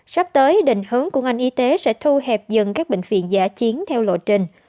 sắp tới định hướng của ngành y tế sẽ thu hẹp dần các bệnh viện giả chiến theo lộ trình